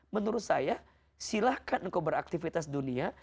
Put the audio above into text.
menurut saya silahkan engkau beraktivitas dunia